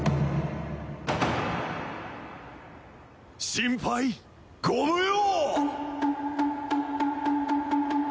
心配ご無用！